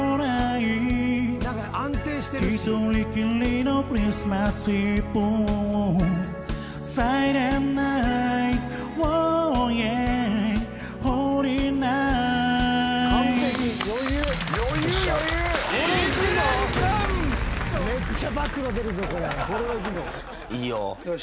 いいよ。